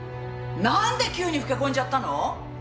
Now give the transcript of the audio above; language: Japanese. なんで急に老け込んじゃったの！？